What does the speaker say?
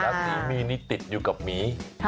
สีมีนี่ติดอยู่กับหมี